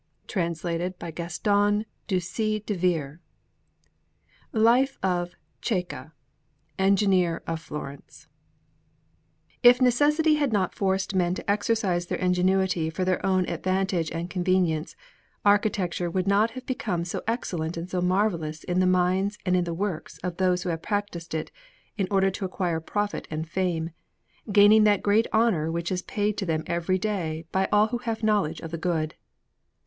Rome: Sistine Chapel_) Anderson] CECCA CECCA ENGINEER OF FLORENCE If necessity had not forced men to exercise their ingenuity for their own advantage and convenience, architecture would not have become so excellent and so marvellous in the minds and in the works of those who have practised it in order to acquire profit and fame, gaining that great honour which is paid to them every day by all who have knowledge of the good.